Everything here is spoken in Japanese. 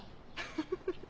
フフフ。